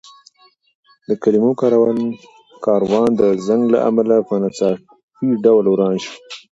د کلمو کاروان د زنګ له امله په ناڅاپي ډول وران شو.